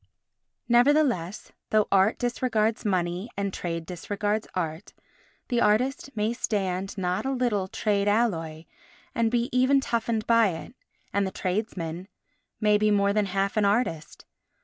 Nevertheless, though art disregards money and trade disregards art, the artist may stand not a little trade alloy and be even toughened by it, and the tradesmen may be more than half an artist.